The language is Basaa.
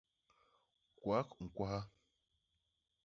Kwak ñkwaha.